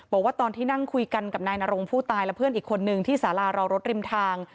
บอกว่าตอนที่นั่งคุยกันกับนายนรงผู้ตายและเพื่อนอีกคนนึงที่สารารอรถริมทาง